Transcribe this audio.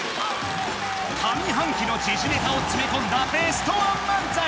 上半期の時事ネタを詰め込んだベストワン漫才